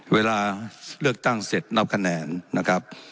เวลาเลือกตั้งเสร็จนับคะแนนนะครับ